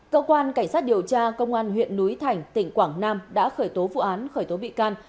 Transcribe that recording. cơ quan cảnh sát điều tra công an huyện núi thành tỉnh quảng nam đã khởi tố vụ án khởi tố bị can